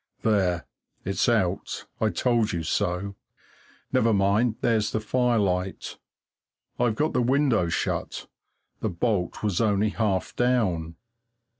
There, it's out! I told you so! Never mind, there's the firelight I've got the window shut the bolt was only half down.